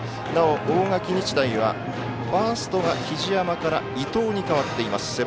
なお、大垣日大はファーストが日出山から伊藤に代わっています。